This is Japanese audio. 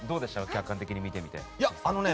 客観的に見てみて。